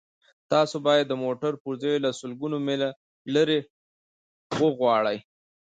تاسو باید د موټر پرزې له سلګونه میله لرې وغواړئ